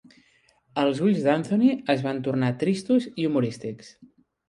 Els ulls d'Anthony es van tornar tristos i humorístics.